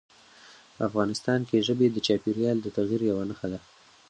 افغانستان کې ژبې د چاپېریال د تغیر یوه نښه ده.